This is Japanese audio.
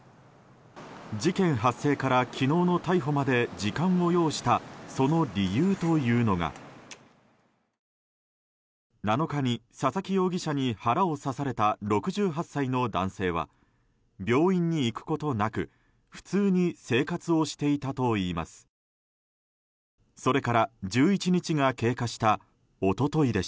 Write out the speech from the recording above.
事件発生から昨日の逮捕まで時間を要したその理由というのが７日に佐々木容疑者に腹を刺された６８歳の男性は病院に行くことなく普通に生活をしていたといいます。